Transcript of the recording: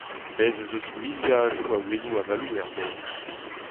Bez' ez eus miliadoù a ouennoù avaloù er bed.